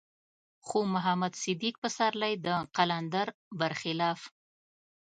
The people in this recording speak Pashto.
خو محمد صديق پسرلی د قلندر بر خلاف.